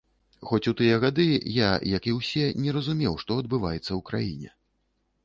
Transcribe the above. Хоць у тыя гады я, як і ўсе, не разумеў, што адбываецца ў краіне.